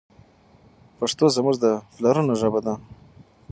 پښتو زموږ د پلرونو ژبه ده.